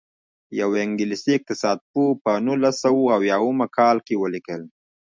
یوه انګلیسي اقتصاد پوه په نولس سوه اویاووه کال کې ولیکل.